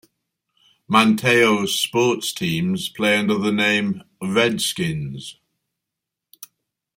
Manteo's sports teams play under the name Redskins.